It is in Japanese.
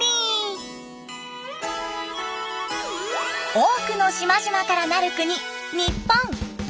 多くの島々からなる国日本。